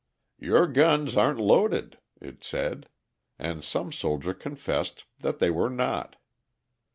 "Your guns aren't loaded," it said, and some soldier confessed that they were not.